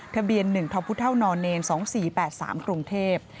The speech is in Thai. ทะเบียน๑๒๔๘๓กรุงเทพ